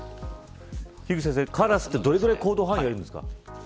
樋口先生、カラスはどれぐらい行動範囲が広いんですか。